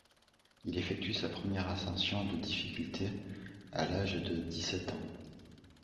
Il effectue sa première ascension de difficulté à l'âge de dix-sept ans.